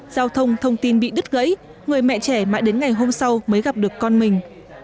giao thông thông tin bị đứt gãy người mẹ trẻ mãi đến ngày hôm sau mới gặp được con mình